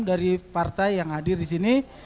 dari partai yang hadir disini